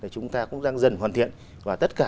chúng ta cũng đang dần hoàn thiện và tất cả